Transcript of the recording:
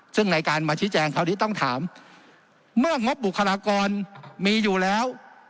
ซึ่งในการมาชี้แจงคราวนี้ต้องถามเมื่องบบุคลากรมีอยู่แล้ว